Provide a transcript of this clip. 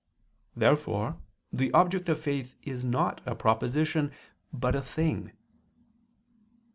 Therefore the object of faith is not a proposition but a thing.